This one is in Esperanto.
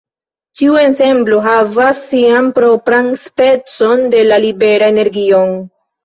Ĉiu ensemblo havas sian propran specon de la libera energion.